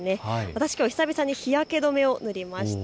私、きょう久々に日焼け止めを塗りました。